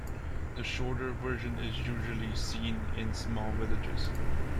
The shorter version is usually seen in small villages.